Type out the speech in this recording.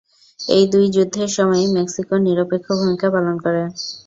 এই দুই যুদ্ধের সময়ই মেক্সিকো নিরপেক্ষ ভূমিকা পালন করে।